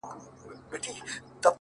راځه رحچيږه بيا په قهر راته جام دی پير-